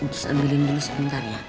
untuk ambilin dulu sebentar ya